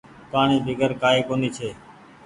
پآڻيٚ بيگر ڪآئي ڪونيٚ ڇي۔